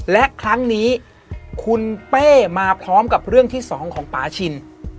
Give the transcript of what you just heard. และครั้งนี้คุณเป้มาพร้อมกับเรื่องที่๒ของป่าชิน